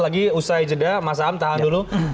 lagi usai jeda mas am tahan dulu